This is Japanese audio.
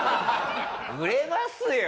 売れますよ。